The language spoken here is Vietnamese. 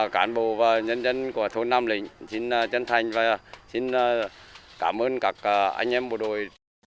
cán bộ và nhân dân của thôn nam lĩnh xin chân thành và xin cảm ơn các anh em bộ đội